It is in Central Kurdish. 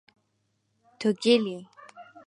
تۆ گێلی!